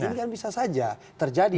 ini kan bisa saja terjadi